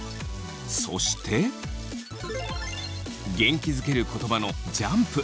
そして元気づける言葉のジャンプ。